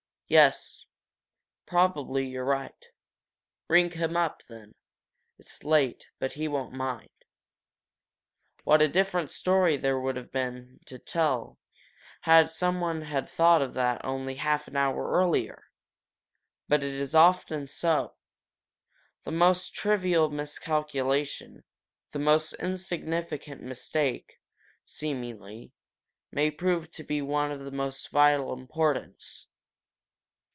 "Yes, probably you're right. Ring him up, then. It's late, but he won't mind." What a different story there would have been to tell had someone had that thought only half an hour earlier! But it is often so. The most trivial miscalculation, the most insignificant mistake, seemingly, may prove to be of the most vital importance.